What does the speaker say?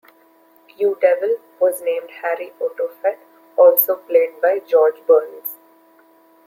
You Devil was named Harry O. Tophet also played by George Burns.